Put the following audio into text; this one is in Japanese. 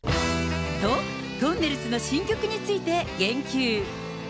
と、とんねるずの新曲について言及。